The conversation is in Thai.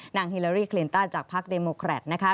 นางฮิลาเรีย์คลินต้าจากภาคเดมโมแครตนะคะ